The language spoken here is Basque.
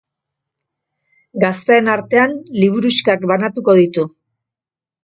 Gazteen artean liburuxkak banatuko ditu.